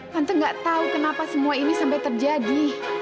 tante gak tahu kenapa semua ini sampai terjadi